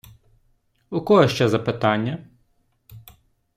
У кого ще запитання?